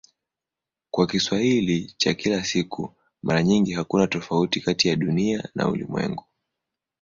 Kwa Kiswahili cha kila siku mara nyingi hakuna tofauti kati ya "Dunia" na "ulimwengu".